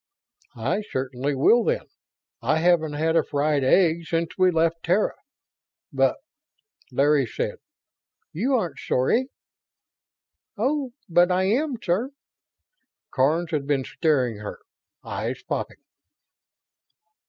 "I certainly will, then; I haven't had a fried egg since we left Terra. But ... Larry said ... you aren't Sory!" "Oh, but I am, sir." Karns had been staring her, eyes popping.